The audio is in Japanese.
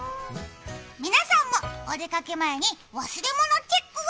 皆さんもお出かけ前に忘れ物チェックを！